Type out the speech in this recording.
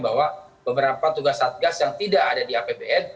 bahwa beberapa tugas satgas yang tidak ada di apbn